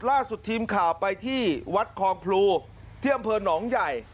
ล่าสุดทีมข่าวไปที่วัดคลองพลูที่อำเภอหนองใหญ่